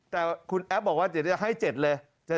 แต่คุณแอฟบอกว่าจะให้๗เลย